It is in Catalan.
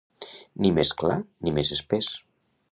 Ni més clar, ni més espés.